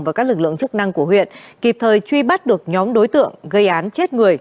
và các lực lượng chức năng của huyện kịp thời truy bắt được nhóm đối tượng gây án chết người